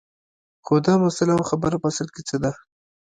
خو دا مسله او خبره په اصل کې څه ده